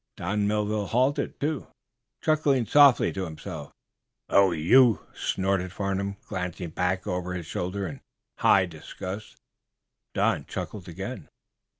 Don Melville halted, too, chuckling softly to himself. "Oh, you!" snorted Farnum, glancing backward over his shoulder in high disgust. Don chuckled again.